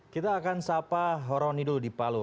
kita akan sapa roni dulu di palu